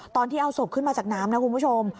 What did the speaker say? ตอนที่เอาศพขึ้นมาจากน้ำนะคุณผู้ชม